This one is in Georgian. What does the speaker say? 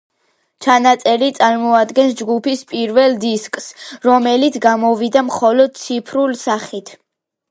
ჩანაწერი წარმოადგენს ჯგუფის პირველ დისკს, რომელიც გამოვიდა მხოლოდ ციფრული სახით.